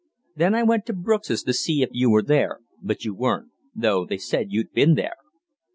Then I went to Brooks's to see if you were there, but you weren't, though they said you'd been there.